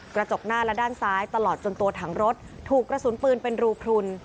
กระจกหน้าและด้านซ้ายตลอดจนตัวถังรถถูกกระสุนปืนเป็นรูพลุน